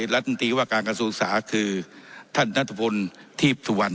รัฐมนตรีว่าการกระทรวงศึกษาคือท่านนัทพลทีพสุวรรณ